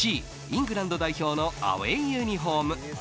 Ｃ、イングランド代表のアウェーユニホーム。